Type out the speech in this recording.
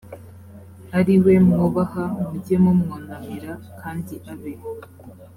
ari we mwubaha mujye mumwunamira kandi abe